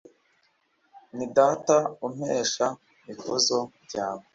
Ni Data umpesha ikuzo ryawe